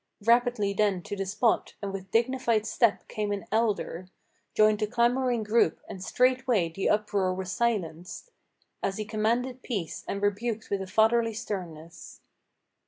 Rapidly then to the spot, and with dignified step, came an elder, Joined the clamoring group, and straightway the uproar was silenced, As he commanded peace, and rebuked with a fatherly sternness.